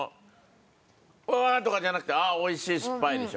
「うわ！」とかじゃなくて「美味しいすっぱい」でしょ？